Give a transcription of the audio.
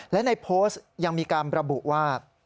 และในโพสต์ยังมีการระบุว่า